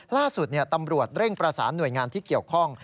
ล่าสุดตำรวจเร่งประสานหน่วยงานที่เกี่ยวข้อง